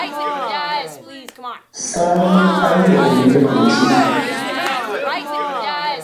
Sal a liɓɔŋ nɛ ɔ di.